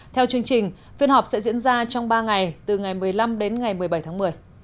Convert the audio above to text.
theo chương trình phiên họp sẽ diễn ra trong ba ngày từ ngày một mươi năm đến ngày một mươi bảy tháng một mươi